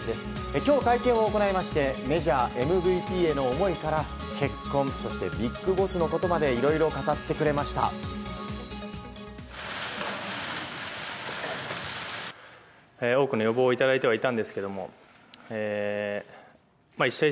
今日、会見を行いましてメジャーＭＶＰへの思いから結婚、ビッグボスのことまでいろいろ語ってくれました。